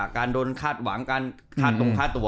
การโดนคาดหวังคาดตรงคาตัว